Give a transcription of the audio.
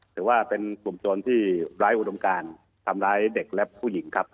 ถือว่าเป็นกลุ่มโจรที่ไร้อุดมการทำร้ายเด็กและผู้หญิงครับ